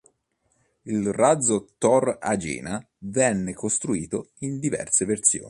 Il razzo Thor-Agena venne costruito in diverse versioni.